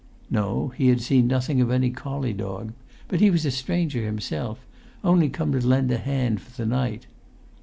No, he had seen nothing of any collie dog; but he was a stranger himself, only come to lend a hand for the night.